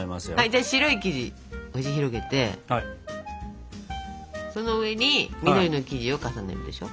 じゃあ白い生地押し広げてその上に緑の生地を重ねるでしょ？